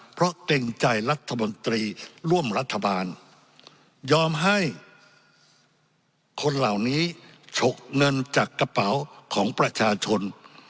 เพราะเกรงใจรัฐมนตรีร่วมรัฐบาลยอมให้คนเหล่านี้ฉกเงินจากกระเป๋าของประชาชน